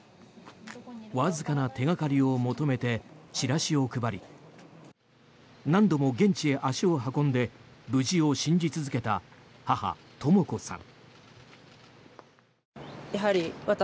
わずかな手掛かりを求めてチラシを配り何度も現地へ足を運んで無事を信じ続けた母・とも子さん。